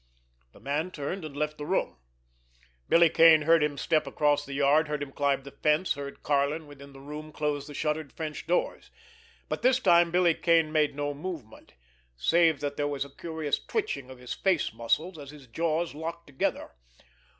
The man turned, and left the room. Billy Kane heard him step across the yard, heard him climb the fence, heard Karlin within the room close the shuttered French doors—but this time Billy Kane made no movement, save that there was a curious twitching of his face muscles as his jaws locked together.